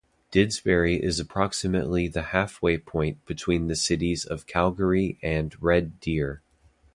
Didsbury is approximately the half-way point between the cities of Calgary and Red Deer.